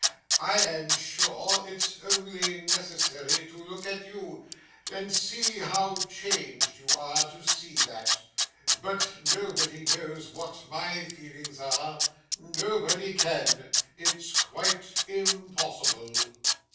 I am sure it's only necessary to look at you and see how changed you are, to see that; but nobody knows what my feelings are nobody can it's quite impossible!